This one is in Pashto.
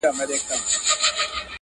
• چي غویی له حیوانانو را ګوښه سو -